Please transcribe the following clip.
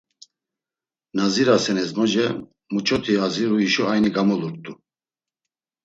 Na zirasen ezmoce; muç̌oti aziru hişo ayni gamulurt̆u.